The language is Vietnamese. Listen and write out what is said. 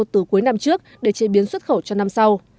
từ cuối năm trước để chế biến xuất khẩu cho năm sau